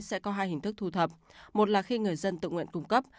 sẽ có hai hình thức thu thập một là khi người dân tự nguyện cung cấp